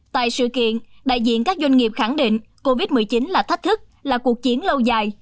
tại sự kiện đại diện các doanh nghiệp khẳng định covid một mươi chín là thách thức là cuộc chiến lâu dài